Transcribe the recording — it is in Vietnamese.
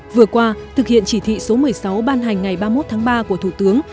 vừa qua thực hiện chỉ thị số một mươi sáu ban hành ngày ba mươi một tháng ba của thủ tướng